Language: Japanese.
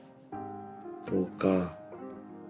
そうか。